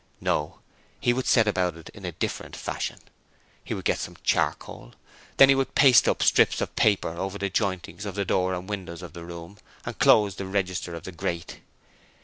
No; HE would set about it in a different fashion. He would get some charcoal, then he would paste strips of paper over the joinings of the door and windows of the room and close the register of the grate.